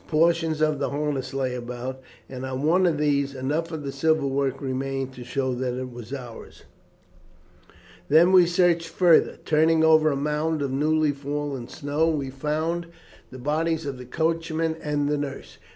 Portions of the harness lay about, and on one of these enough of the silver work remained to show that it was ours. "Then we searched farther. Turning over a mound of newly fallen snow, we found the bodies of the coachman and the nurse.